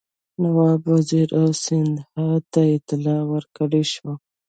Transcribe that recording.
نواب وزیر او سیندهیا ته اطلاع ورکړه شوه.